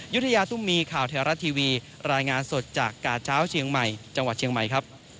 ยุธยาตุ้มมีข่าวไทยรัฐทีวีรายงานสดจากกาเช้าเชียงใหม่จังหวัดเชียงใหม่ครับ